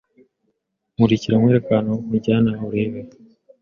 Nkurikira nkwereke ahantu nkujyana urebe